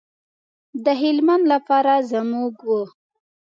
د هلمند لپاره زموږ و.